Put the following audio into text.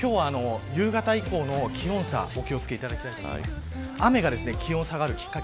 今日は夕方以降の気温差お気を付けいただきたいと思います。